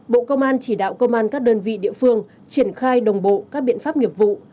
bộ công an chỉ đạo công an các đơn vị địa phương triển khai đồng bộ các biện pháp nghiệp vụ